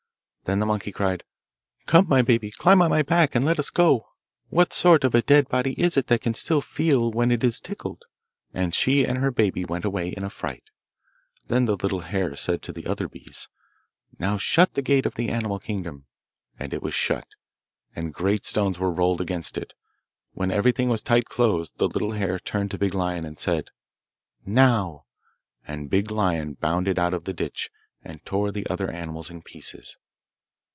Then the monkey cried, 'Come, my baby, climb on my back and let us go. What sort of a dead body is it that can still feel when it is tickled?' And she and her baby went away in a fright. Then the little hare said to the other beasts, 'Now, shut the gate of the Animal Kingdom.' And it was shut, and great stones were rolled against it. When everything was tight closed the little hare turned to Big Lion and said 'Now!' and Big Lion bounded out of the ditch and tore the other animals in pieces.